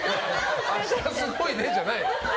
明日すごいね、じゃない。